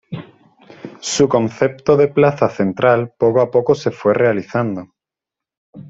Su concepto de plaza central poco a poco se fue realizando.